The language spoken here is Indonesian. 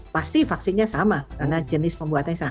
pasti vaksinnya sama karena jenis pembuatannya sama